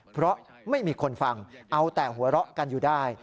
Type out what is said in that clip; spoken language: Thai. เพราะไม่มีคนฟังเอาแต่หัวเราะกันอยู่ได้